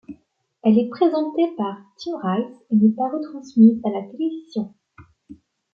Elle est présentée par Tim Rice et n'est pas retransmise à la télévision.